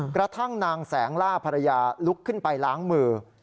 กระทั่งนางแสงล่าภรรยาลุกขึ้นไปล้างมือ